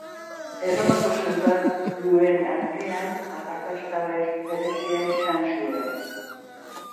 Erromako soldaduen artean arrakasta berezia izan zuen.